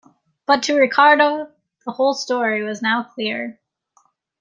But to Ricardo the whole story was now clear.